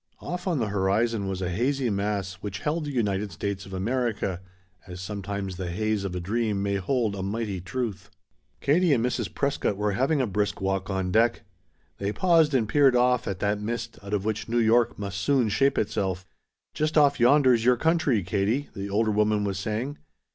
Off on the horizon was a hazy mass which held the United States of America, as sometimes the haze of a dream may hold a mighty truth. Katie and Mrs. Prescott were having a brisk walk on deck. They paused and peered off at that mist out of which New York must soon shape itself. "Just off yonder's your country, Katie," the older woman was saying.